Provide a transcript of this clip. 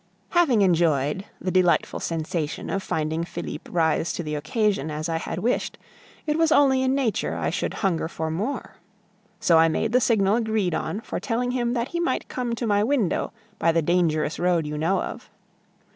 Having enjoyed the delightful sensation of finding Felipe rise to the occasion, as I had wished, it was only in nature I should hunger for more. So I made the signal agreed on for telling him that he might come to my window by the dangerous road you know of.